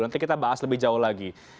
nanti kita bahas lebih jauh lagi